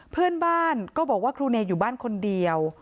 เพื่อนบ้านก็บอกว่าครูเนยอยู่บ้านคนเดียว